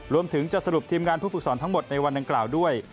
รวมถึงจะสรุปทีมงานผู้ฝึกสอนทั้งหมดในวันดังกล่าวด้วย